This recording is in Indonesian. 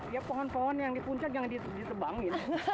ya pohon pohon yang dipuncak jangan disebangin